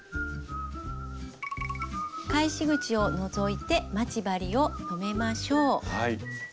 返し口を除いて待ち針を留めましょう。